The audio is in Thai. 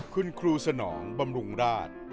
คุณครูสนองบำรุงราช